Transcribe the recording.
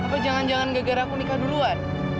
apa jangan jangan gak gara aku nikah duluan